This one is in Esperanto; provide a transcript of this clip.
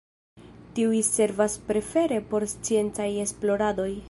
Tiuj servas prefere por sciencaj esploradoj.